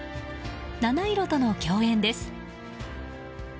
７色との共演です。